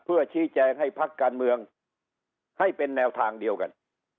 เพื่อชี้แจงให้พักการเมืองให้เป็นแนวทางเดียวกัน